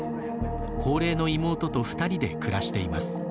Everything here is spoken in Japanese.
高齢の妹と２人で暮らしています。